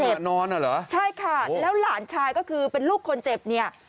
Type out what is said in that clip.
นอนอ่ะเหรอใช่ค่ะแล้วหลานชายก็คือเป็นลูกคนเจ็บเนี่ย